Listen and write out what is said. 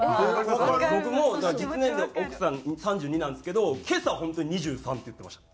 僕もだから実年齢奥さん３２なんですけど今朝本当に２３って言ってました。